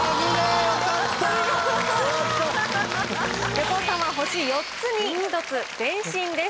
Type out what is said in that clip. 横尾さんは星４つに１つ前進です。